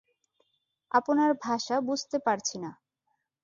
আপনার ভাষা বুঝতে পারছি না।